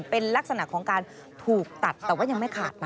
เป็นลักษณะของการถูกตัดแต่ว่ายังไม่ขาดนะ